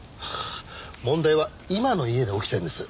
問題は今の家で起きているんです。